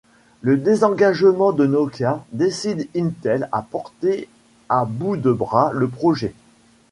Le désengagement de Nokia décide Intel à porter à bout de bras le projet.